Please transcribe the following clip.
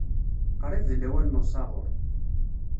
Qrib d lawan n usaɣur